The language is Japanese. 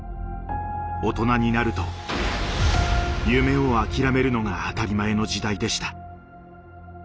大人になると夢を諦めるのが当たり前の時代でした。